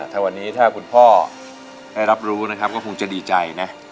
ถ้าวันนี้ถ้าคุณพ่อได้รับรู้นะครับก็คงจะดีใจนะ